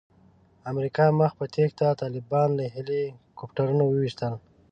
امریکا مخ په تېښته طالبان له هیلي کوپټرونو وویشتل.